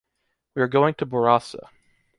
We are going to Borrassà.